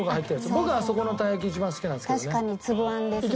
僕はそこのたい焼き一番好きなんですけどね。